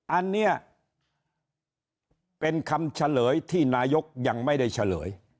อันนี้เป็นคำเฉลยที่นายกยังไม่ได้เฉลย